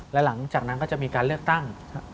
แล้วหลังจากนั้นก็จะมีการเลือกตั้ง